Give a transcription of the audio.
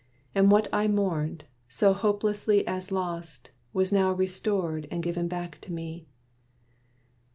And what I mourned, so hopelessly as lost Was now restored, and given back to me.